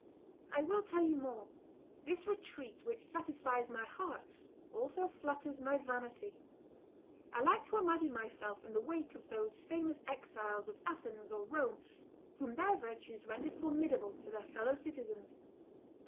... I will tell you more; this retreat, which satisfies my heart, also flatters my vanity; I like to imagine myself in the wake of those famous exiles of Athens or Rome whom their virtues rendered formidable to their fellow citizens.